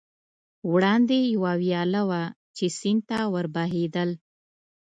وړاندې یوه ویاله وه، چې سیند ته ور بهېدل.